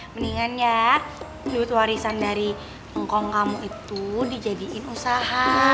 mendingan ya lut warisan dari pengkong kamu itu dijadikan usaha